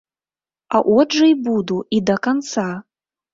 А от жа і буду, і да канца!